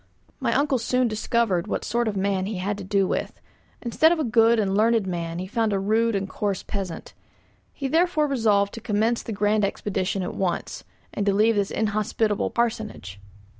My uncle soon discovered what sort of a man he had to do with; instead of a good and learned man he found a rude and coarse peasant. He therefore resolved to commence the grand expedition at once, and to leave this inhospitable parsonage.